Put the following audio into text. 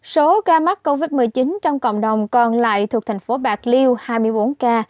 số ca mắc covid một mươi chín trong cộng đồng còn lại thuộc thành phố bạc liêu hai mươi bốn ca